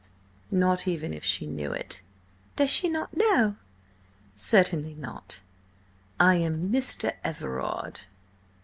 Not even if she knew of it." "Does she not know?" "Certainly not. I am Mr. Everard."